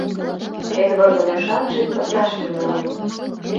Эдвардын ӱшанже пыташ тӱҥалын.